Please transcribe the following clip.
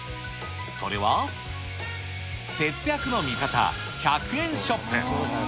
それは節約の味方、１００円ショップ。